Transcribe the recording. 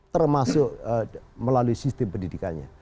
termasuk melalui sistem pendidikannya